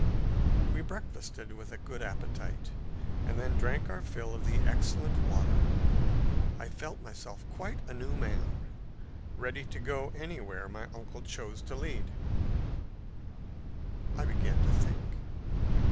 We breakfasted with a good appetite, and then drank our fill of the excellent water. I felt myself quite a new man, ready to go anywhere my uncle chose to lead. I began to think.